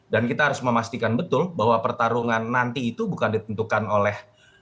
kita harus memastikan betul bahwa pertarungan nanti itu bukan ditentukan oleh